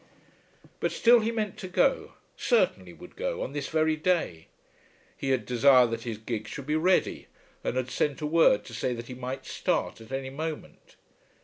But still he meant to go, certainly would go on this very day. He had desired that his gig should be ready, and had sent word to say that he might start at any moment.